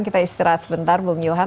kita istirahat sebentar bung johan